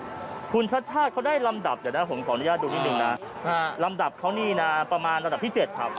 คุณชัดชาติเขาได้ลำดับเดี๋ยวนะผมขออนุญาตดูนิดนึงนะลำดับเขานี่นะประมาณลำดับที่๗ครับ